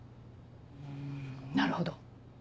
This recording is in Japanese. なるほど。